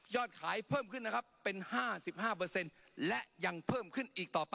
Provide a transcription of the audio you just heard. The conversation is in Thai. ยอดขายเพิ่มขึ้น